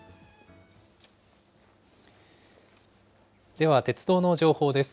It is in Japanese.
では鉄道の情報です。